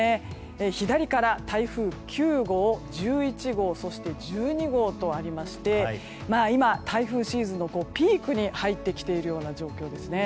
左から台風９号、１１号そして１２号とありまして今、台風シーズンのピークに入ってきている状況ですね。